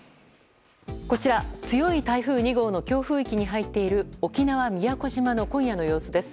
強い台風２号の強風域に入っている沖縄・宮古島の今夜の様子です。